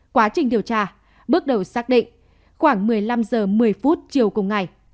quá trình điều tra bước đầu xác định khoảng một mươi năm h một mươi chiều cùng ngày